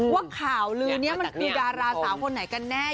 ว่าข่าวลือนี้มันคือดาราสาวคนไหนกันแน่